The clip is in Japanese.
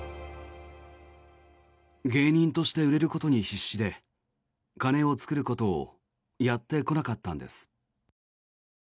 芸人として売れることに必死で金を作ることをやってこなかったんです。